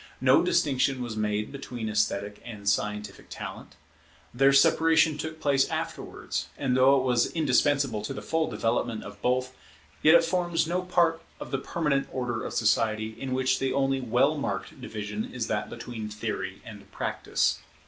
No distinction was made between esthetic and scientific talent. Their separation took place afterwards: and though it was indispensable to the full development of both, yet it forms no part of the permanent order of society, in which the only well marked division is that between Theory and Practice.